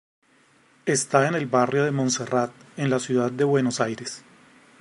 Está en el barrio de Monserrat, en la ciudad de Buenos Aires.